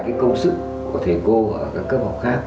để bù lại công sức của thầy cô ở các cấp học khác